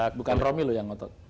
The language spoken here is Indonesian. merasa bukan romy lo yang ngotot